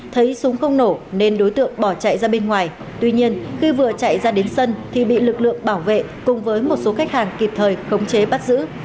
thấy súng không nổ nên đối tượng bỏ chạy ra bên ngoài tuy nhiên khi vừa chạy ra đến sân thì bị lực lượng bảo vệ cùng với một số khách hàng kịp thời khống chế bắt giữ